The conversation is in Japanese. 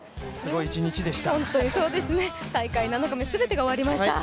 大会７日目全てが終わりました。